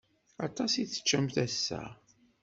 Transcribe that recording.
Aṭas i teččamt ass-a.